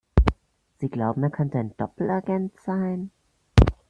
Sie glauben, er könnte ein Doppelagent sein?